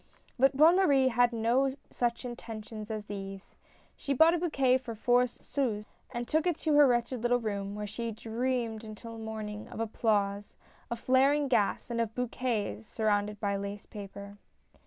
But Bonne Marie had no such intuitions as these. She bought a bouquet for four sous, and took it to her wretched little room, where she dreamed until morning of applause, of flaring gas, and of bouquets surrounded by lace paper.